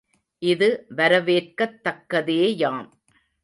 இது வரவேற்கத் தக்கதேயாம்.